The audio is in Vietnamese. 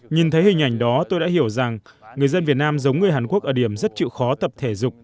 nhìn thấy hình ảnh đó tôi đã hiểu rằng người dân việt nam giống người hàn quốc ở điểm rất chịu khó tập thể dục